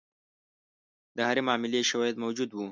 د هرې معاملې شواهد موجود وو.